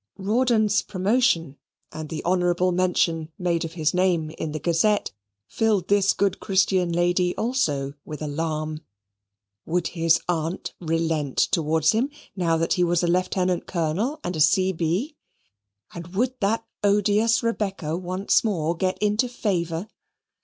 Rawdon's promotion, and the honourable mention made of his name in the Gazette, filled this good Christian lady also with alarm. Would his aunt relent towards him now that he was a Lieutenant Colonel and a C.B.? and would that odious Rebecca once more get into favour?